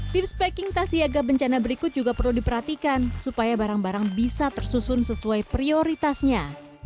tips packing tas siaga bencana berikut juga perlu diperhatikan supaya barang barang bisa tersusun sesuai prioritasnya